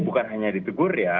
bukan hanya ditegur ya